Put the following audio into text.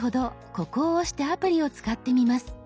ここを押してアプリを使ってみます。